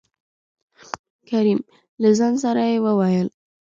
کريم : له ځان سره يې ووېل: